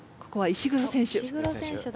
石黒選手だ。